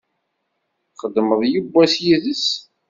Txedmeḍ yewwas yid-s?